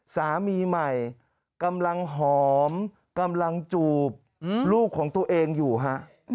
สามีใหม่กำลังหอมกำลังจูบลูกของตัวเองอยู่ฮะ